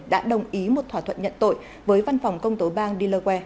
đã đồng ý một thỏa thuận nhận tội với văn phòng công tố bang del